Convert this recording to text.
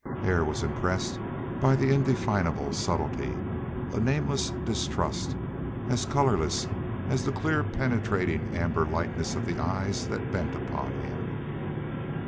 Hare was impressed by an indefinable subtlety, a nameless distrust, as colorless as the clear penetrating amber lightness of the eyes that bent upon him.